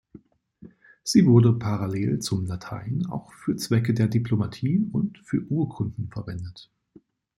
Sie wurde parallel zum Latein auch für Zwecke der Diplomatie und für Urkunden verwendet.